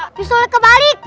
om disolek kebalik